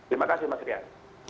terima kasih mas rian